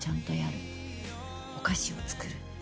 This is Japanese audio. お菓子を作る。